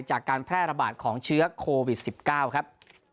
จากการแพร่ระบาดของเชื้อโควิด๑๙ครับ